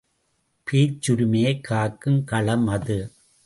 பேச்சுரிமையைக் காக்கும் களம் அது.